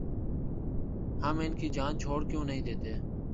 ہم ان کی جان چھوڑ کیوں نہیں دیتے؟